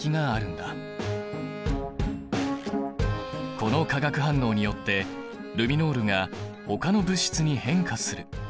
この化学反応によってルミノールがほかの物質に変化する。